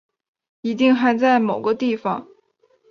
一定还在某个地方